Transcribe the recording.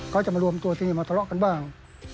เขาจะมารวมตัวที่นี่มาทะเลาะกันบ้าง